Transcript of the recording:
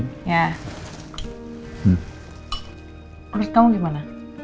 menurut kamu gimana